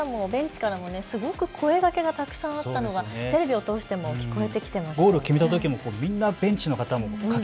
本当にピッチ上からもベンチからもすごく声かけがたくさんあったのがテレビを通しても聞こえていていました。